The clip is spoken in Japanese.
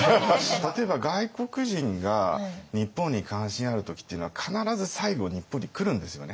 例えば外国人が日本に関心ある時っていうのは必ず最後日本に来るんですよね。